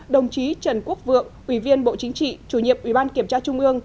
đồng chí trần quốc vượng ủy viên bộ chính trị chủ nhiệm ủy ban kiểm tra trung ương